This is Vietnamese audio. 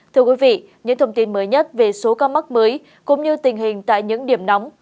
thưa quý vị những thông tin mới nhất về số ca mắc mới cũng như tình hình tại những điểm nóng